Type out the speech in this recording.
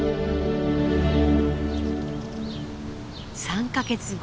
３か月後。